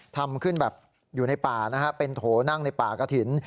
ทำขึ้นแบบอยู่ในป่านะฮะเป็นโถนั่งในป่ากระถิ่น